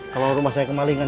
kalau rumah saya kemalingan